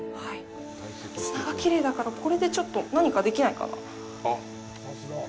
砂がきれいだからこれでちょっと何かできないかな。